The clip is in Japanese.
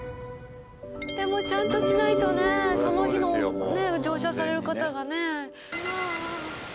でもちゃんとしないとねその日の乗車される方がね。